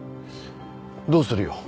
どうするよ？